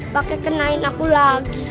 pakai kenain aku lagi